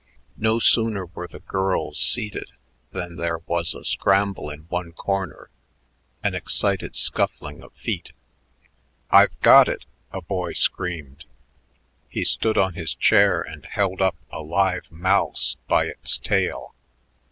No sooner were the girls seated than there was a scramble in one corner, an excited scuffling of feet. "I've got it!" a boy screamed. He stood on his chair and held up a live mouse by its tail.